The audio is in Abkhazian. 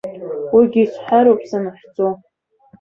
Уигьы сҳәароуп санахьӡо.